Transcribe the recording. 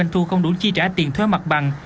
thu không đủ chi trả tiền thuê mặt bằng